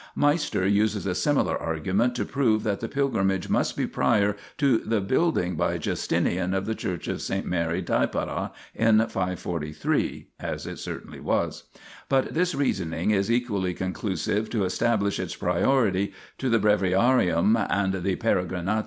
Meister uses a similar argument to prove that the pilgrimage must be prior to the building by Justinian of the Church of S. Mary Deipara in 543 (as it certainly was) ; but his reasoning is equally conclusive to establish its priority to the Breviarium and the Peregrinatio Theodosii.